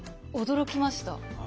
驚きました。